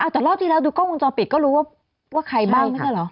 แต่รอบที่แล้วดูก้องจอปิดก็รู้ว่าใครบ้าง